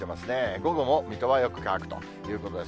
午後も水戸はよく乾くということです。